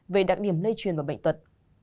về đặc điểm lây truyền và bệnh tật